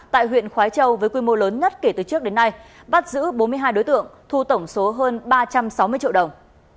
tại huyện khói châu với quy mô lớn nhất kể từ trước đến nay bắt giữ bốn mươi hai đối tượng thu tổng số hơn ba trăm sáu mươi triệu đồng